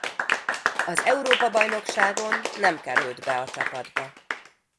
Az Európa-bajnokságon nem került be a csapatba.